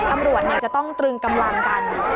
ตำรวจจะต้องตรึงกำลังกัน